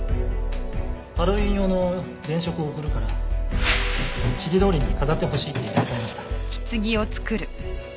ハロウィーン用の電飾を送るから指示どおりに飾ってほしいって依頼されました。